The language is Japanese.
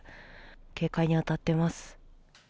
警戒にあたってます。